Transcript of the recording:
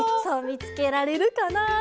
みつけられるかなって。